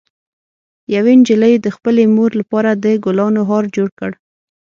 یوه نجلۍ د خپلې مور لپاره د ګلانو هار جوړ کړ.